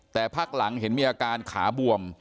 แต่พักหลังเห็นมีอาการขาบวม